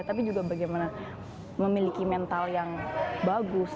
tapi juga bagaimana memiliki mental yang bagus